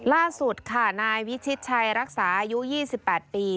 ล่าสุดค่ะนายวิชิตชัยรักษาอายุ๒๘ปี